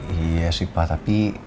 iya sih pa tapi